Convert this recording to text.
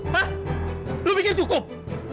ha lu pikir cukup